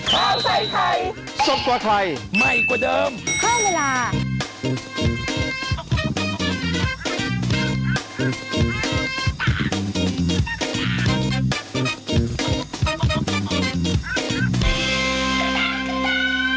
จริงคุณเป็นอะไรทำอะไรมา